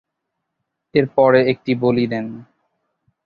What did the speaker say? এরপরে একটি বলি দেন।